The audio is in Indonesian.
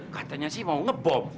katanya sih mau ngebom